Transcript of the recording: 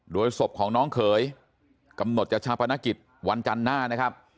โดยศพของน้องเขยกำหนดจัดชาปนกิจวันจันทร์หน้านะครับ